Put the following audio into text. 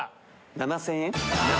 ７０００円。